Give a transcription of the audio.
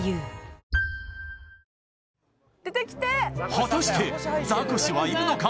果たしてザコシはいるのか？